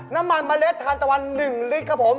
น้ำมันเมล็ดทานแต่วัน๑ลิตรนะครับผม